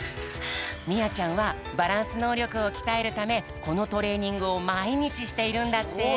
みあちゃんはバランスのうりょくをきたえるためこのトレーニングをまいにちしているんだって。